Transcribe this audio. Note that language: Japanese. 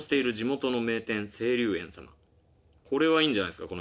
これはいいんじゃないですか